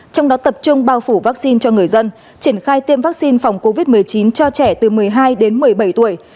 trong đó tập trung bao phủ vaccine cho người dân triển khai tiêm vaccine phòng covid một mươi chín cho trẻ từ một mươi hai đến một mươi bảy tuổi